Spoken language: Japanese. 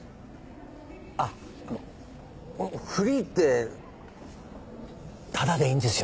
あっあの「フリー」ってタダでいいんですよね？